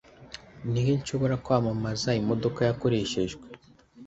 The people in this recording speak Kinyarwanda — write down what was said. Ni he nshobora kwamamaza imodoka yakoreshejwe?